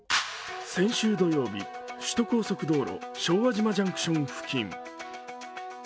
先週土曜日、首都高速道路昭和島ジャンクション付近。